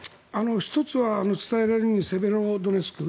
１つは伝えられるにセベロドネツク